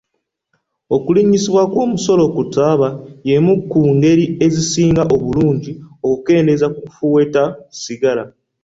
Okulinyisibwa kw'omusolo ku taaba y'emu ku ngeri ezisinga obulungi okukendeeza ku kufuweeta sigala.